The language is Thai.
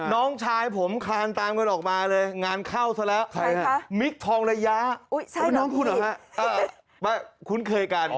น้องชายผมคลานตามกันออกมาเลย